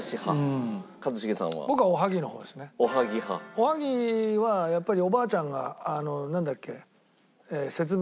おはぎはやっぱりおばあちゃんがなんだっけ？